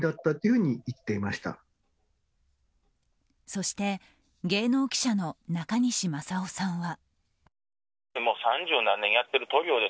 そして芸能記者の中西正男さんは。